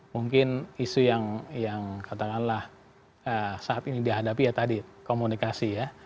mungkin isu yang katakanlah saat ini dihadapi ya tadi komunikasi ya